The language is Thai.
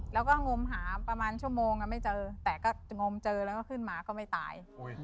แล้วก็งมหาประมาณชั่วโมงไม่เจอแต่ก็งมเจอแล้วก็ขึ้นมาก็ไม่ตาย